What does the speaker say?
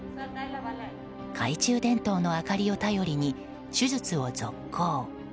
懐中電灯の明かりを頼りに手術を続行。